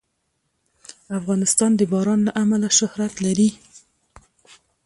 افغانستان د باران له امله شهرت لري.